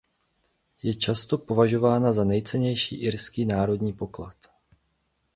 Je často považována za nejcennější irský národní poklad.